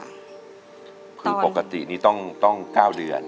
คือปกตินี้ต้อง๙เดือน